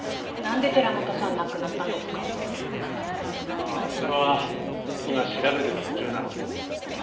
ああそれは今調べてる途中なので。